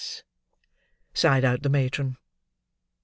sighed out the matron.